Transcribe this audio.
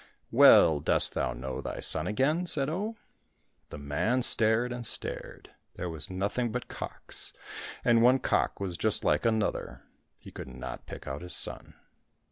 " Well, dost thou know thy son again ?" said Oh. The man stared and stared. There was nothing but cocks, and one cock was j\ist like another. He could not pick out his son.